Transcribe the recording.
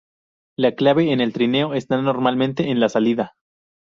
La clave en el trineo está normalmente en la salida.